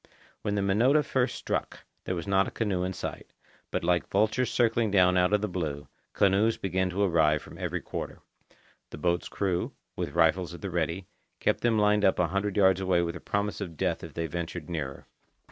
When the Minota first struck, there was not a canoe in sight; but like vultures circling down out of the blue, canoes began to arrive from every quarter. The boat's crew, with rifles at the ready, kept them lined up a hundred feet away with a promise of death if they ventured nearer.